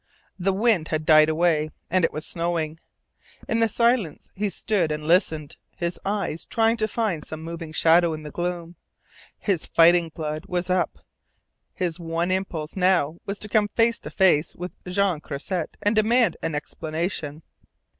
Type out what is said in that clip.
The wind had died away, and it was snowing. In the silence he stood and listened, his eyes trying to find some moving shadow in the gloom. His fighting blood was up. His one impulse now was to come face to face with Jean Croisset and demand an explanation.